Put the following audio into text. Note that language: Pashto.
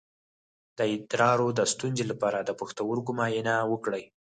د ادرار د ستونزې لپاره د پښتورګو معاینه وکړئ